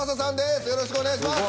よろしくお願いします。